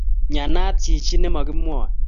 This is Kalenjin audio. Mianat chichi ne mo ki mwoey.